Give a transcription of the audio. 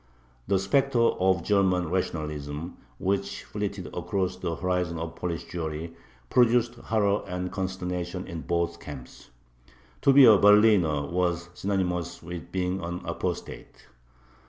The specter of German rationalism, which flitted across the horizon of Polish Jewry, produced horror and consternation in both camps. To be a "Berliner" was synonymous with being an apostate.